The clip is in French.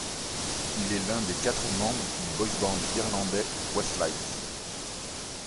Il est l'un des quatre membres du boys-band irlandais Westlife.